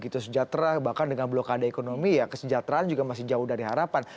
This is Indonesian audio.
begitu sejahtera bahkan dengan blokade ekonomi ya kesejahteraan juga masih jauh dari harapan